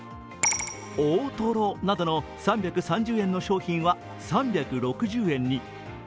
大トロなどの３３０円の商品は３６０円に。